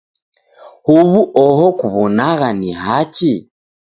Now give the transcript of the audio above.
Huw'u oho kuw'onagha ni hachi?